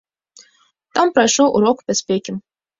Там прайшоў урок бяспекі.